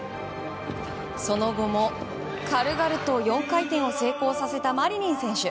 その後も軽々と４回転を成功させたマリニン選手。